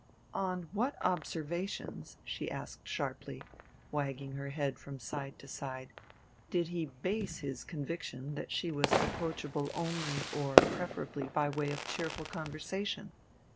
"On what observations," she asked sharply, wagging her head from side to side, "did he base his conviction that she was approachable only or preferably by way of cheerful conversation?"